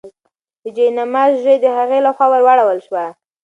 د جاینماز ژۍ د هغې لخوا ورواړول شوه.